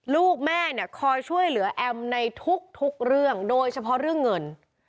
ลูกแม่เนี่ยคอยช่วยเหลือแอมในทุกเรื่องโดยเฉพาะเรื่องเงิน